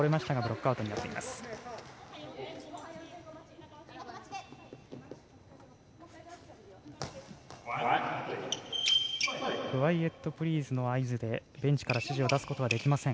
クワイエットプリーズの合図でベンチから指示を出すことはできません。